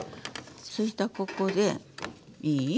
そしたらここでいい？